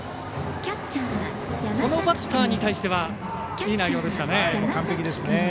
このバッターに対してはいい内容でしたね。